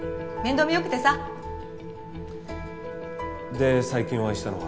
で最近お会いしたのは？